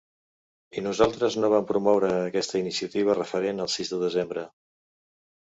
I nosaltres no vam promoure aquesta iniciativa referent al sis de desembre.